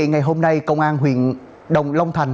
ngày hôm nay công an huyện đồng long thành